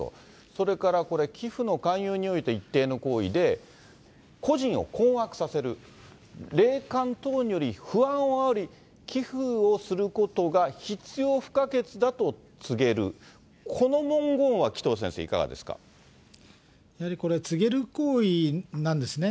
それからこれ、寄付の勧誘において一定の行為で、個人を困惑させる、霊感等により不安をあおり、寄付をすることが必要不可欠だと告げる、この文言は紀藤先生、いやはりこれ、告げる行為なんですね。